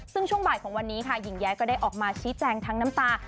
ซึ่งช่วงบ่ายของวันนี้ค่ะหญิงแย้ก็ได้ออกมาชี้แจงทั้งน้ำตา